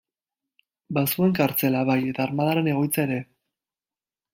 Bazuen kartzela, bai eta armadaren egoitza ere.